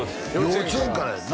幼稚園からやんな？